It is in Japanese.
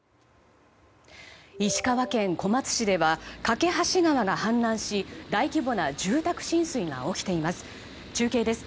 石川県小松市では梯川が氾濫し、大規模な住宅浸水が起きています。